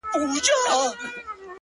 نن مي بيا پنـځه چيلمه ووهـل _